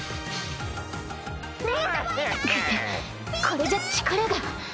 これじゃ力が。